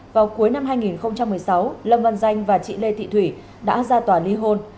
vào cuối năm hai nghìn một mươi sáu lâm văn danh và chị lê thị thủy đã ra tòa ly hôn